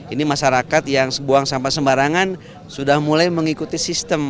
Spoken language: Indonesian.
ini masyarakat yang buang sampah sembarangan sudah mulai mengikuti sistem